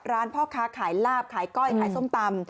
พ่อค้าขายลาบขายก้อยขายส้มตำ